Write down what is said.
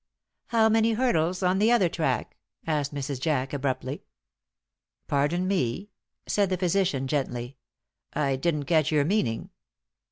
"How many hurdles on the other track?" asked Mrs. Jack, abruptly. "Pardon me," said the physician, gently; "I didn't catch your meaning."